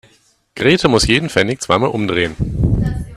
Grete muss jeden Pfennig zweimal umdrehen.